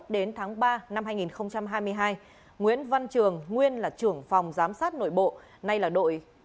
đến tháng ba năm hai nghìn hai mươi hai nguyễn văn trường nguyên là trưởng phòng giám sát nội bộ